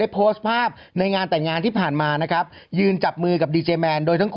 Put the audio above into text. อึกอึกอึกอึกอึกอึกอึกอึกอึก